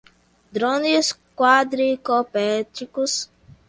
Drones quadricópteros